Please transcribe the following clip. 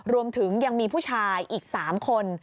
รวมถึงยังมีผู้ชายอีก๓คน